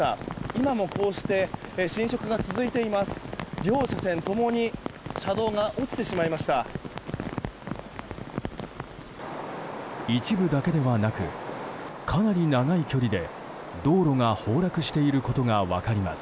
今もこうして浸食が続いています。